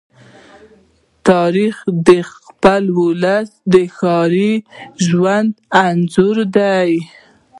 تاریخ د خپل ولس د ښاري ژوند انځور دی.